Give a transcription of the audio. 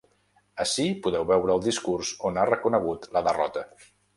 Ací podeu veure el discurs on ha reconegut la derrota.